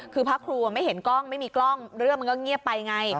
คือพระครูไม่เห็นกล้องไม่มีกล้องเรื่องมันก็เงียบไปไง